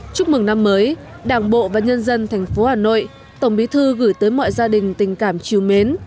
chúc mừng năm mới đảng bộ và nhân dân thành phố hà nội tổng bí thư gửi tới mọi gia đình tình cảm chiều mến